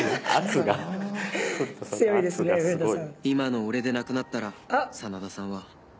今の俺でなくなったら真田さんは